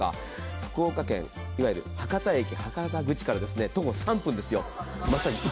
福岡県、いわゆる博多駅博多口から徒歩３分ですよ。